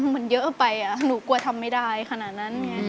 มันเยอะไปหนูกลัวทำไม่ได้ขนาดนั้นไง